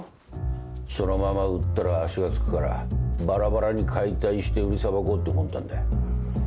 そのまま売ったら足がつくからバラバラに解体して売りさばこうって魂胆だ。